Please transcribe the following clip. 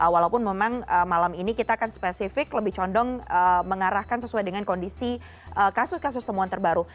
walaupun memang malam ini kita akan spesifik lebih condong mengarahkan sesuai dengan kondisi kasus kasus temuan terbaru